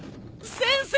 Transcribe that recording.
先生！